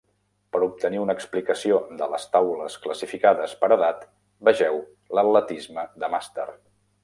Per obtenir una explicació de les taules classificades per edat, vegeu l'atletisme de màster.